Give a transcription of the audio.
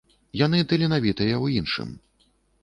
Яны таленавітыя ў іншым.